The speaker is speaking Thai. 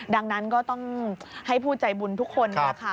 ดังนั้นก็ต้องให้ผู้ใจบุญทุกคนนะคะ